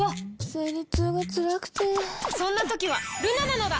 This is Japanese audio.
生理痛がつらくてそんな時はルナなのだ！